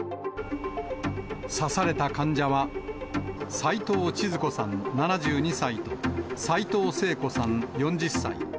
刺された患者は、斉藤ちづ子さん７２歳と斉藤聖子さん４０歳。